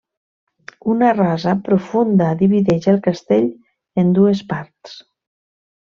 Una rasa profunda divideix el castell en dues parts.